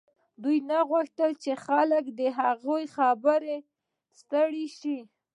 دوی نه غوښتل چې خلک د هغه له خبرو ستړي شي